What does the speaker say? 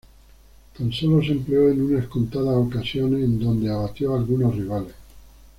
Tan solo se empleo en unas contadas ocasiones en donde abatió a algunos rivales.